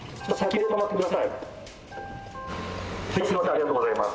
ありがとうございます。